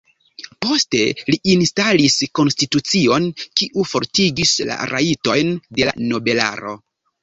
Poste li instalis konstitucion, kiu fortigis la rajtojn de la nobelaro.